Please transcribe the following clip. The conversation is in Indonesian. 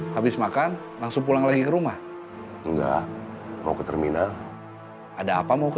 habis makan langsung pulang lagi ke rumah enggak mau ke terminal ada apa mau ke